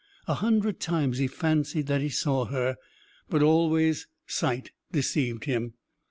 A hundred times he fancied that he saw her, but always sight deceived him.